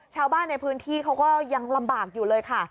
ชาวบ้านในพื้นที่เขาก็ยังลำบากอยู่เลยค่ะ